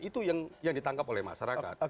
itu yang ditangkap oleh masyarakat